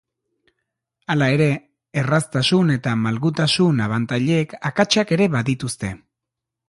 Hala ere, erraztasun eta malgutasun abantailek akatsak ere badituzte.